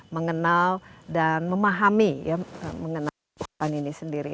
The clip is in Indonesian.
mengenal dan memahami ya mengenal hutan ini sendiri